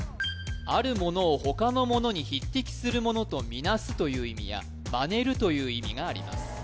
あるものを他のものに匹敵するものとみなすという意味やまねるという意味があります